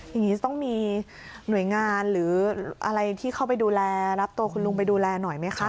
อย่างนี้จะต้องมีหน่วยงานหรืออะไรที่เข้าไปดูแลรับตัวคุณลุงไปดูแลหน่อยไหมคะ